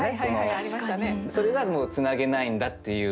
それがもうつなげないんだっていう。